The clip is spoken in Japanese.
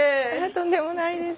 とんでもないです。